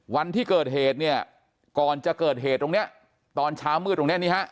วันที่เกิดเหตุเนี่ยก่อนจะเกิดเหตุตรงเนี้ยตอนเช้ามืดตรงเนี้ยนี่ฮะ